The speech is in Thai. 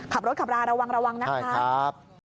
ขับรถขับราระวังนะครับ